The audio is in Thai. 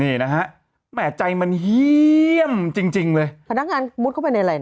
นี่นะฮะแหม่ใจมันเฮี่ยมจริงจริงเลยพนักงานมุดเข้าไปในอะไรนะ